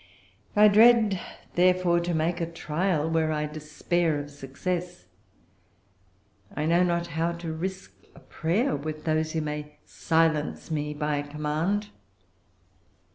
I dread, therefore, to make a trial where I despair of success. I know not how to risk a prayer with those who may silence me by a command."